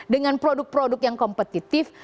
dengan produk produk yang kompetitif